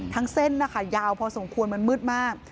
เส้นนะคะยาวพอสมควรมันมืดมาก